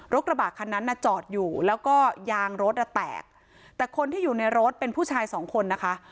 กระบะคันนั้นน่ะจอดอยู่แล้วก็ยางรถอ่ะแตกแต่คนที่อยู่ในรถเป็นผู้ชายสองคนนะคะ